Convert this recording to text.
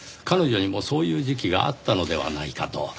彼女にもそういう時期があったのではないかと。